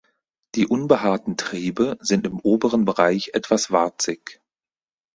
Die unbehaarten Triebe sind im oberen Bereich etwas warzig.